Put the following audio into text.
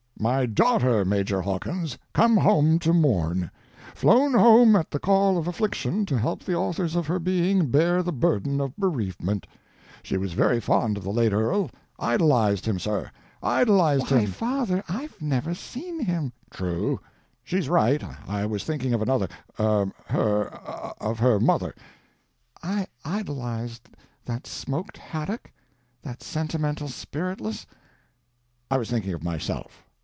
"My daughter, Major Hawkins—come home to mourn; flown home at the call of affliction to help the authors of her being bear the burden of bereavement. She was very fond of the late earl—idolized him, sir, idolized him—" "Why, father, I've never seen him." "True—she's right, I was thinking of another—er—of her mother—" "I idolized that smoked haddock?—that sentimental, spiritless—" "I was thinking of myself!